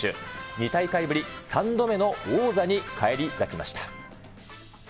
２大会ぶり３度目の王者に返り咲きました。